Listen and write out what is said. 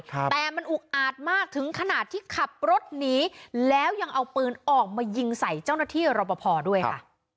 แต่มันอุกอาจมากถึงขนาดที่ขับรถหนีแล้วยังเอาปืนออกมายิงใส่เจ้าหน้าที่รอปภด้วยค่ะ